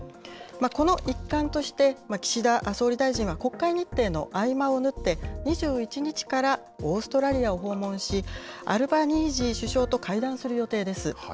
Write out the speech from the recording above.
この一環として、岸田総理大臣は国会日程の合間を縫って、２１日からオーストラリアを訪問し、アルバニージー首相と会談する予定です。